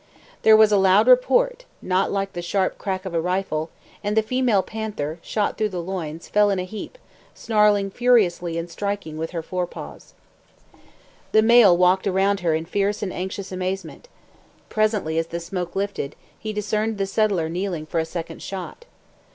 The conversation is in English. There was a loud report (not like the sharp crack of a rifle), and the female panther, shot through the loins, fell in a heap, snarling furiously and striking with her fore paws. The male walked around her in fierce and anxious amazement. Presently, as the smoke lifted, he discerned the settler kneeling for a second shot.